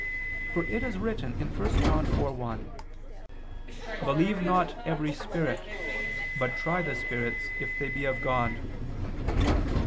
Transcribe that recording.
For it is written (1 John 4:1): "Believe not every spirit, but try the spirits if they be of God."